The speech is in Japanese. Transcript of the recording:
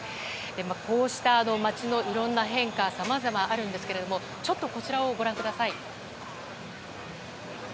こうした街のいろんな変化はさまざまあるんですがちょっと、こちらをご覧ください。